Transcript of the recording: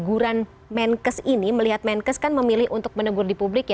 guguran menkes ini melihat menkes kan memilih untuk menegur di publik